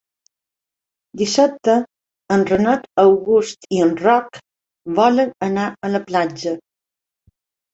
Dissabte en Renat August i en Roc volen anar a la platja.